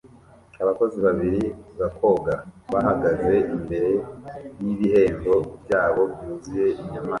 Abakozi babiri ba koga bahagaze imbere y'ibihembo byabo byuzuye inyamaswa